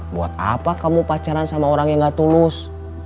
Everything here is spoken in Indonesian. buat apa kamu pacaran sama orang yang gak tulus